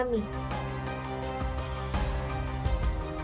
tindakan yang mengancam nyawa